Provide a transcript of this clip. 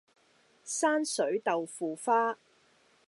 山水豆腐花